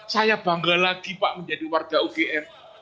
saya bangga lagi pak menjadi warga ugm